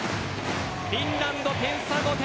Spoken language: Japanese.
フィンランド点差、５点。